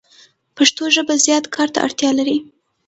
پښتو ژبه زیات کار ته اړتیا لری